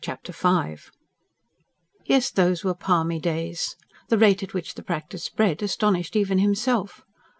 Chapter V Yes, those were palmy days; the rate at which the practice spread astonished even himself.